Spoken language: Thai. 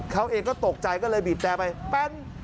เขาเองก็ตกใจก็เลยบีบแต่ไปแป้น